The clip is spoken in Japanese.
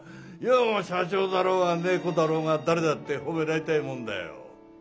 社長だろうが猫だろうが誰だって褒められたいもんだよ。